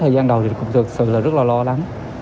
thời gian đầu thì cũng thực sự là rất là lo lắng